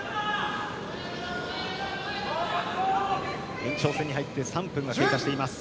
延長戦に入って３分が経過しています。